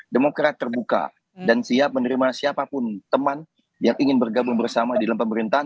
demokrat terbuka dan siap menerima siapapun teman yang ingin bergabung bersama di dalam pemerintahan